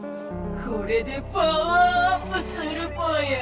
これでパワーアップするぽよ！